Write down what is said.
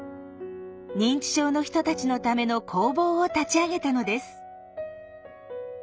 認知症の人たちのための工房を立ち上げたのです。